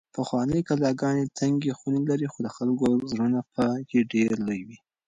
پخوانۍ کلاګانې تنګې خونې لرلې خو د خلکو زړونه پکې ډېر لوی وو.